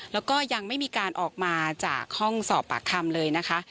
แล้วก็ยังไม่มีการออกมาจากห้องสอบปากคำเลยนะคะ